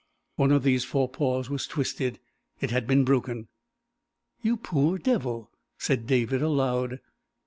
One of these forepaws was twisted; it had been broken. "You poor devil!" said David aloud.